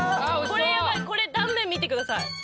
これ断面見てください